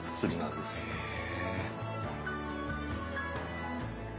へえ。